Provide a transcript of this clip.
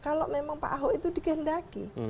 kalau memang pak ahop itu digendaki